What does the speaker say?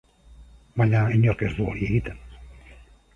Baina inork ez du hori egiten.